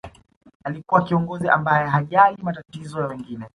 alikuwa kiongozi ambaye hajali matatizo ya wengine